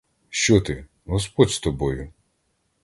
Що ти, господь з тобою?!